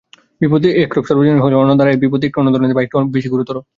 বিপদ একরূপ সর্বজনীন হইলেও অন্নদা রায়ের বিপদ একটু অন্য ধরনের বা একটু বেশি গুরুতর।